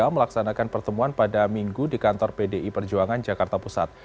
melaksanakan pertemuan pada minggu di kantor pdi perjuangan jakarta pusat